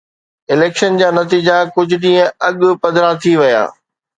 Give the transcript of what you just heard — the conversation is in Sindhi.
اليڪشن جا نتيجا ڪجهه ڏينهن اڳ پڌرا ٿي ويا.